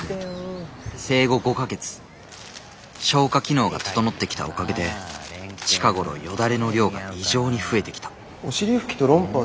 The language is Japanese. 消化機能が整ってきたおかげで近頃よだれの量が異常に増えてきたお尻拭きとロンパース？